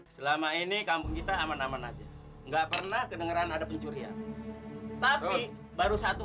selama ini kampung kita aman aman aja enggak pernah kedengeran ada pencurian tapi baru satu